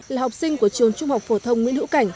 là học sinh của trường trung học phổ thông nguyễn hữu cảnh